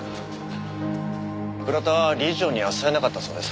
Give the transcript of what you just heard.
倉田は理事長には伝えなかったそうです。